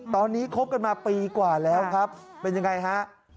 ตอนนี้คบกันมาปีกว่าแล้วครับเป็นยังไงฮะ